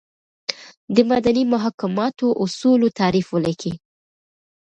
دمدني محاکماتو اصولو تعریف ولیکئ ؟